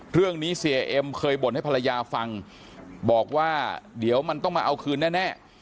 เรื่องนี้เสียเอ็มเคยบ่นให้ภรรยาฟังบอกว่าเดี๋ยวมันต้องมาเอาคืนแน่